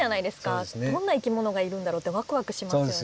どんないきものがいるんだろうってわくわくしますよね。